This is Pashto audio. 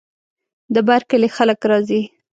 د بر کلي خلک راځي.